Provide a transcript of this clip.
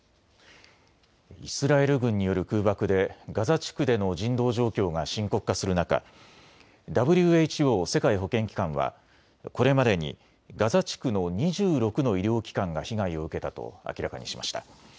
イスラエル軍による空爆でガザ地区での人道状況が深刻化する中、ＷＨＯ・世界保健機関はこれまでにガザ地区の２６の医療機関が被害を受けたと明らかにしました。